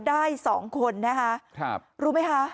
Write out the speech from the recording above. ได้สองคนนะฮะครับรู้ไหมค่ะ